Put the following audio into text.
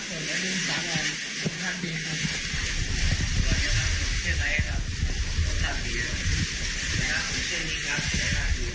ตอนแรกใหม่ไม่เชื่อว่าเป็นน้องดอมผอมแห้งไปหมดเลย